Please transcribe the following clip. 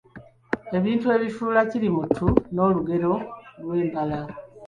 Ebintu ebifuula "Kirimuttu" ng'Olugero olw’embala.